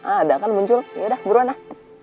ada kan muncul yaudah beruan lah